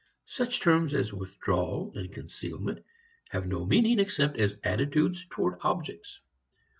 Such terms as withdrawal and concealment have no meaning except as attitudes toward objects.